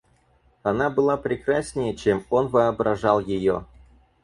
Она была прекраснее, чем он воображал ее.